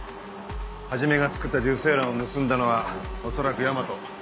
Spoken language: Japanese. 始がつくった受精卵を盗んだのはおそらく大和。